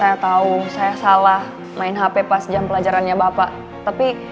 saya tahu saya salah main hp pas jam pelajarannya bapak tapi